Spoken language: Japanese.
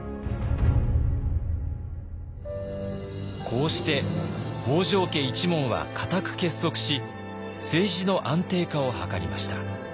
こうして北条家一門は固く結束し政治の安定化を図りました。